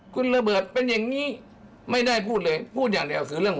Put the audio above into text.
คุณระเบิดเป็นอย่างนี้ไม่ได้พูดเลยพูดอย่างเดียวคือเรื่อง